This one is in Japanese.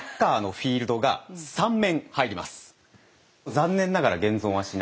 残念ながら現存はしない。